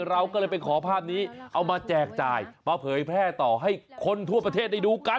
เราก็เลยไปขอภาพนี้เอามาแจกจ่ายมาเผยแพร่ต่อให้คนทั่วประเทศได้ดูกัน